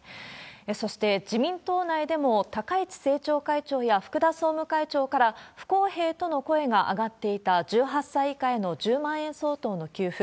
そして、自民党内でも、高市政調会長や福田総務会長から、不公平との声が上がっていた１８歳以下への１０万円相当の給付。